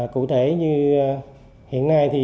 cụ thể như hiện nay thì